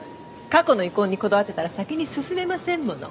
過去の遺恨にこだわってたら先に進めませんもの。